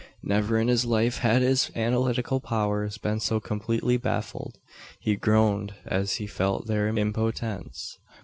Never in his life had his analytical powers been so completely baffled. He groaned as he felt their impotence.